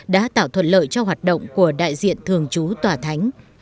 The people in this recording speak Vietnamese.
đã tạo thuận lợi cho hoạt động của đại diện thường trú tòa thánh